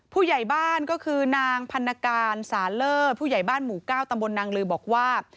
ผู้ใหญ่บ้านก็คือนางพันธการสาเล่อผู้ใหญ่บ้านหมู่๙ตำบลนางลือบอกว่า